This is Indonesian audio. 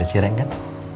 bisa disireng kan